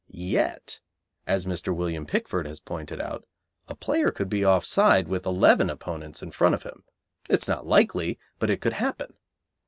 Yet, as Mr. William Pickford has pointed out, a player could be offside with eleven opponents in front of him. It is not likely, but it could happen.